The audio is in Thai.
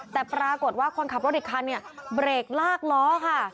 แต่ปรากฏว่าคนขับรถอีกคันเนี่ยเบรกลากล้อค่ะ